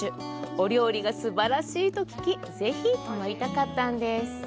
お料理がすばらしいと聞き、ぜひ泊まりたかったんです。